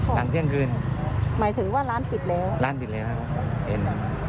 หลังเที่ยงคืนหมายถึงว่าร้านปิดแล้วร้านปิดแล้วนะครับ